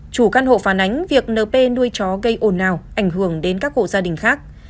chủ căn hộ phản ánh việc np nuôi chó gây ồn ào ảnh hưởng đến các hộ gia đình khác